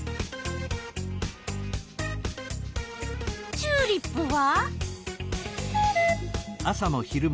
チューリップは？